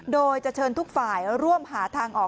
โดยจะเชิญทุกฝ่ายร่วมหาทางออก